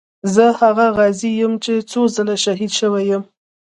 زه هغه غازي یم چې څو ځله شهید شوی یم.